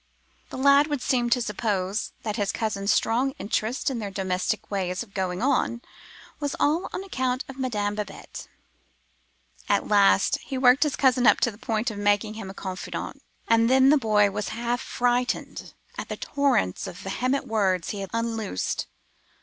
The lad would seem to suppose, that his cousin's strong interest in their domestic ways of going on was all on account of Madame Babette. At last he worked his cousin up to the point of making him a confidant: and then the boy was half frightened at the torrent of vehement words he had unloosed.